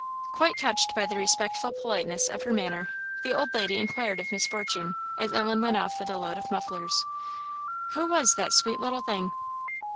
Quite touched by the respectful politeness of her manner, the old lady inquired of Miss Fortune, as Ellen went off with a load of mufflers, "who was that sweet little thing?"